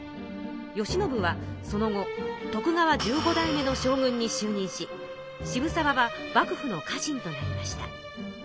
慶喜はその後徳川１５代目の将軍に就任し渋沢は幕府の家臣となりました。